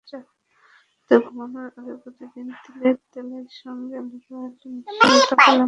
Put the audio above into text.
রাতে ঘুমানোর আগে প্রতিদিন তিলের তেলের সঙ্গে অলিভ অয়েল মিশিয়ে ত্বকে লাগান।